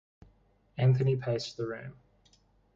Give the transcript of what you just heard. Anthony paced the room.